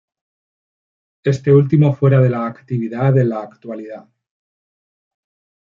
Este último fuera de la actividad en la actualidad.